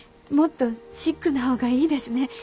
もっとシックな方がいいですね。